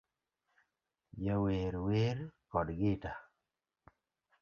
Jawer wer kod gita